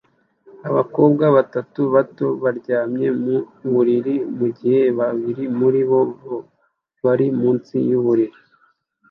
Abakobwa batatu bato baryamye mu buriri mugihe babiri muri bo bari munsi yuburiri